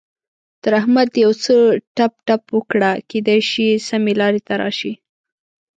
تر احمد يو څه ټپ ټپ وکړه؛ کېدای شي سمې لارې ته راشي.